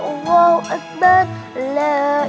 allahu akbar allahu akbar